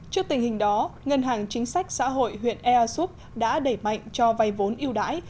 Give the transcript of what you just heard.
trước tình hình đó ngân hàng chính sách xã hội huyện ea súp đã đẩy mạnh cho vay vốn yêu đái